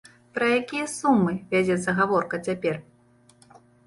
Пра якія сумы вядзецца гаворка цяпер?